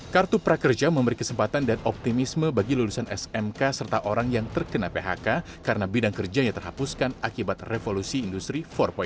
kartu prakerja memberi kesempatan dan optimisme bagi lulusan smk serta orang yang terkena phk karena bidang kerjanya terhapuskan akibat revolusi industri empat